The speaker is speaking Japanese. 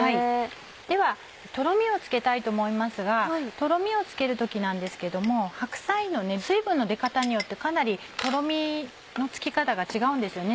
ではトロミをつけたいと思いますがトロミをつける時なんですけども白菜の水分の出方によってかなりトロミのつき方が違うんですよね